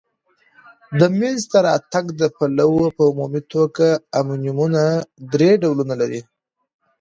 د مینځ ته راتګ د پلوه په عمومي توګه امونیمونه درې ډولونه لري.